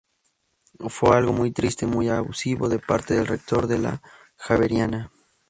Fue algo muy triste, muy abusivo de parte del rector de la Javeriana.